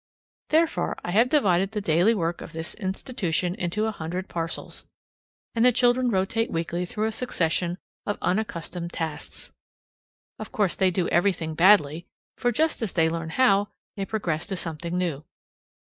Therefore I have divided the daily work of this institution into a hundred parcels, and the children rotate weekly through a succession of unaccustomed tasks. Of course they do everything badly, for just as they learn how, they progress to something new.